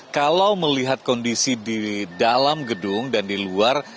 kalau melihat kondisi di dalam gedung dan di luar